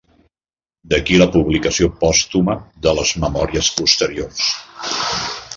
D'aquí la publicació pòstuma de les memòries posteriors.